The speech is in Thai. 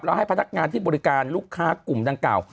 แล้วให้พนักงานที่บริการลูกค้ากลุ่มดังกล่าว